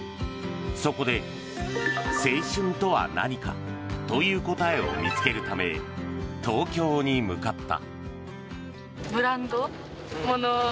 そこで、青春とは何か？という答えを見つけるため東京に向かった。